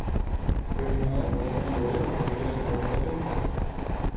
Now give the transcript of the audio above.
Fue filmada en Boden y Luleå Provincia de Norrbotten, Suecia.